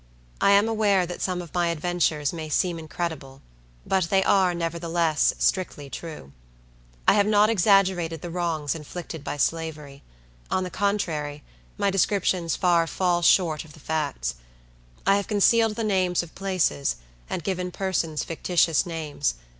I am aware that some of my adventures may seem incredible; but they are, nevertheless, strictly true. I have not exaggerated the wrongs inflicted by Slavery; on the contrary, my descriptions fall far short of the facts. I have concealed the names of places, and given persons fictitious names.